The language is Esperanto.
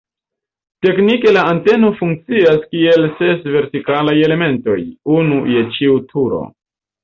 Teknike la anteno funkcias kiel ses vertikalaj elementoj, unu je ĉiu turo.